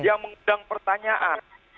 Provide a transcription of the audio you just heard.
yang mengundang pertanyaan